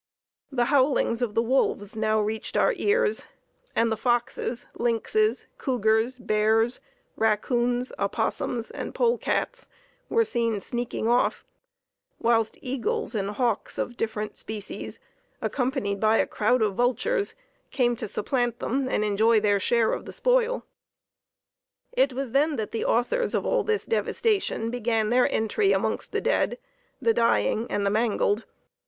The howlings of the wolves now reached our ears, and the foxes, lynxes, cougars, bears, raccoons, opossums, and pole cats were seen sneaking off, whilst eagles and hawks of different species, accompanied by a crowd of vultures, came to supplant them and enjoy their share of the spoil. It was then that the authors of all this devastation began their entry amongst the dead, the dying and the mangled.